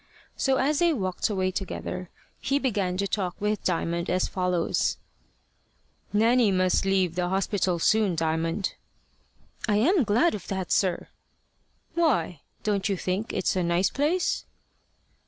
So as they walked away together, he began to talk with Diamond as follows: "Nanny must leave the hospital soon, Diamond." "I'm glad of that, sir." "Why? Don't you think it's a nice place?"